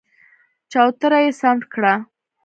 چوتره يې سمټ کړه.